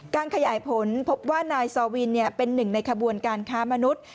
ขยายผลพบว่านายซอวินเป็นหนึ่งในขบวนการค้ามนุษย์